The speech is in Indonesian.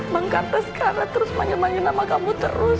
bang karta sekarang terus menyemangin nama kamu terus